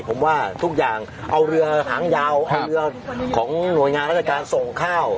ผมว่าทุกอย่างเอาเรือหางยาวเอาเรือของหน่วยงานราชการส่งข้าว